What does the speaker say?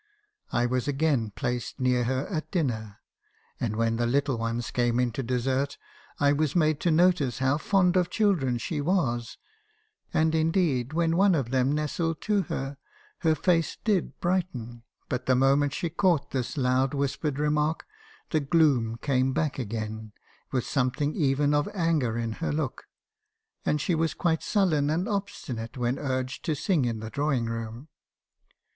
I was again placed near her at dinner, and when the little ones came in to dessert, I was made to notice how fond of children she was, and 18* 276 me. Harbison's confessions. indeed when one of them nestled to her, her face did brighten; but the moment she caught this loud whispered remark, the gloom came back again, with something even of anger in her look; and she was quite sullen and obstinate when urged to sing in the drawing room.